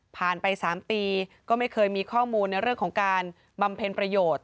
ผ่านไป๓ปีก็ไม่เคยมีข้อมูลในเรื่องของการบำเพ็ญประโยชน์